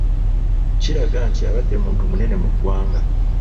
Kiraga nti abadde muntu munene mu ggwanga.